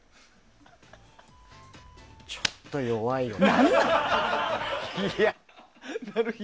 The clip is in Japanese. ちょっと弱いよね。